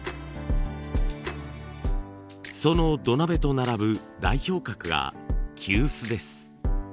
その土鍋と並ぶ代表格が急須です。